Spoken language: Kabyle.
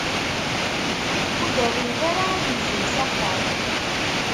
Ur d-rrint ara agelzim s axxam.